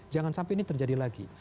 jangan sampai ini terjadi lagi